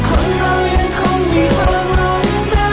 คนเรายังคงมีความหวังได้